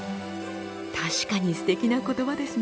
確かにすてきな言葉ですね。